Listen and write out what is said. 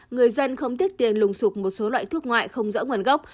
người dân không tiếc tiền lùng sụp một số loại thuốc ngoại không rõ nguồn gốc